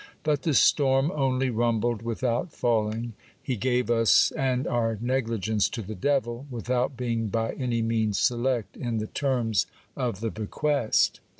But the storm only rumbled without falling ; he gave us and our negligence to the devil, without being by any means select in the terms of the bequest.